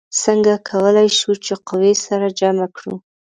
څنګه کولی شو چې قوې سره جمع کړو؟